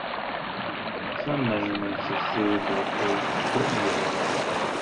Some measurements exclude the first foot-rollout.